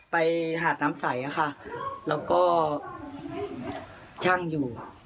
ไปหาดน้ำใสค่ะแล้วก็ช่างอยู่